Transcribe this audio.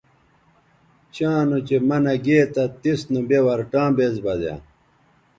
چاں نوچہء منع گے تھا تس نوبے ورٹاں بیز بزیاں